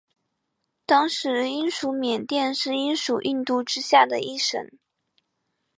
当时英属缅甸是英属印度之下的一省。